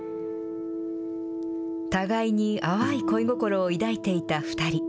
互いに淡い恋心を抱いていた２人。